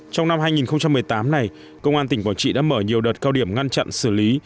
trong năm hai nghìn một mươi tám này công an tỉnh quảng trị đã mở nhiều đợt cao điểm ngăn chặn xử lý